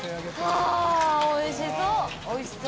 おいしそう！